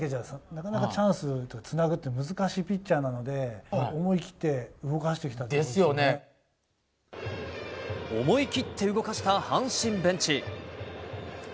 打つだけじゃなかなかチャンスにつなぐのが難しいピッチャーなので、思い切って動かしてきた思い切って動かした阪神ベンチ。